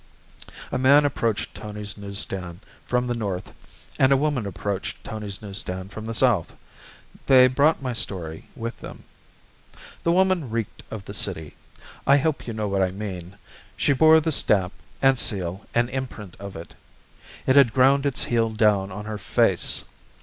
A man approached Tony's news stand from the north, and a woman approached Tony's news stand from the south. They brought my story with them. The woman reeked of the city. I hope you know what I mean. She bore the stamp, and seal, and imprint of it. It had ground its heel down on her face.